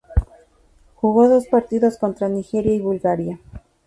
Jugó dos partidos, contra Nigeria y Bulgaria.